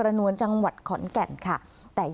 อันดับที่สุดท้าย